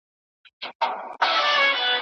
څوک چي واده وکړي، نو سکون ورته حاصليږي